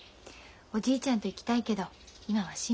おじいちゃんと行きたいけど今は辛抱だね。